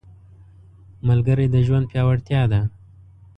ملګری د ژوند پیاوړتیا ده